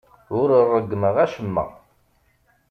Ur ṛeggmeɣ acemma.